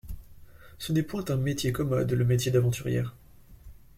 Ce n'est point un métier commode, le métier d'aventurière.